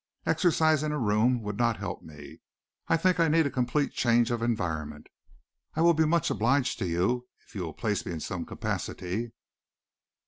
Exercise in a room would not help me. I think I need a complete change of environment. I will be much obliged if you will place me in some capacity."